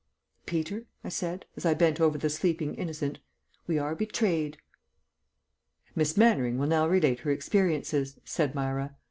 Peter," I said, as I bent over the sleeping innocent, "we are betrayed." "Miss Mannering will now relate her experiences," said Myra.